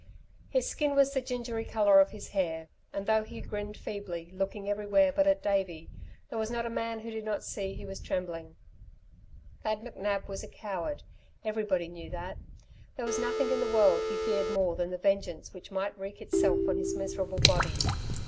His skin was the gingery colour of his hair, and though he grinned feebly, looking everywhere but at Davey, there was not a man who did not see he was trembling. Thad McNab was a coward, everybody knew that. There was nothing in the world he feared more than the vengeance which might wreak itself on his miserable body.